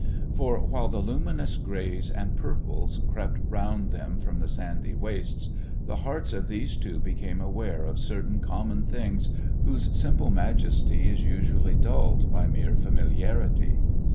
For, while the luminous greys and purples crept round them from the sandy wastes, the hearts of these two became aware of certain common things whose simple majesty is usually dulled by mere familiarity.